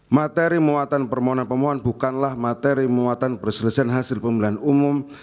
materi muatan permohonan pemohon bukanlah materi muatan perselesaian hasil pemilihan umum